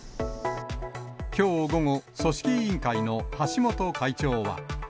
きょう午後、組織委員会の橋本会長は。